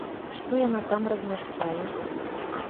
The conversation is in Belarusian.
Што яна там размяшчае?